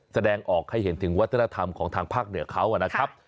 แสดงออกให้เห็นถึงวัฒนธรรมของทางภาคเหนือเขานะครับ